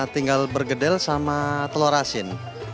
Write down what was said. tinggal bergedel sama telur asin